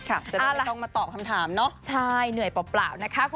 จะได้ไม่ต้องมาตอบคำถามเนาะใช่เหนื่อยเปล่านะคะ